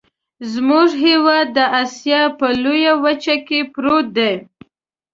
زمونږ هیواد د اسیا په لویه وچه کې پروت دی.